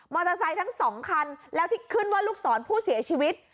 มอเตอร์ไซค์ทั้ง๒คันแล้วที่ขึ้นว่าลูกศรผู้เสียชีวิต